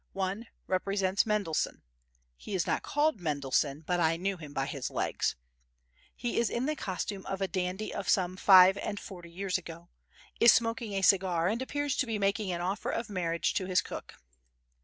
One represents Mendelssohn. He is not called Mendelssohn, but I knew him by his legs. He is in the costume of a dandy of some five and forty years ago, is smoking a cigar and appears to be making an offer of marriage to his cook.